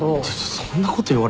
そんなこと言われても。